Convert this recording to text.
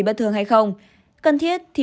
bất thường hay không cần thiết thì